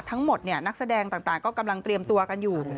นักแสดงต่างก็กำลังเตรียมตัวกันอยู่